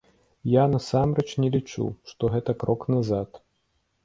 Я насамрэч не лічу, што гэта крок назад.